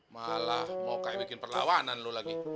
malah mau kayak bikin perlawanan lu lagi